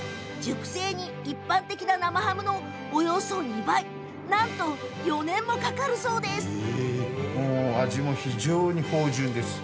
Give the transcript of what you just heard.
熟成に一般的な生ハムのおよそ２倍なんと４年もかかるそうです。